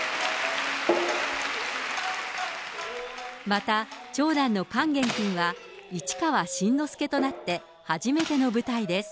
また、長男の勸玄君は、市川新之助となって初めての舞台です。